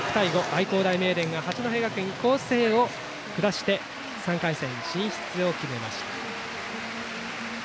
愛工大名電が八戸学院光星を下して３回戦進出を決めました。